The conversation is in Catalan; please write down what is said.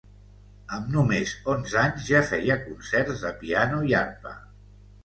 Amb només onze anys ja feia concerts de piano i arpa.